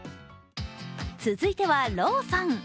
続いてはローソン。